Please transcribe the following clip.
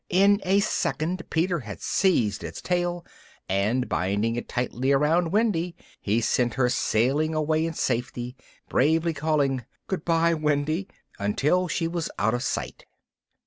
In a second Peter had seized its tail and, binding it tightly round Wendy, he sent her sailing away in safety, bravely calling, "Good bye Wendy!" until she was out of sight.